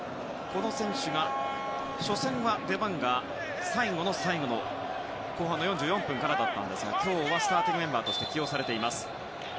この選手、初戦は出番が最後の最後の後半４４分からでしたが今日はスターティングメンバーとして起用されています。